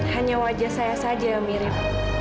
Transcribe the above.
hanya wajah saya saja yang mirip